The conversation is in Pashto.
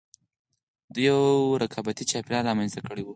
دوی یو رقابتي چاپېریال رامنځته کړی و